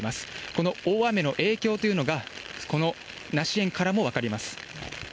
この大雨の影響というのが、この梨園からも分かります。